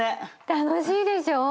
楽しいでしょ？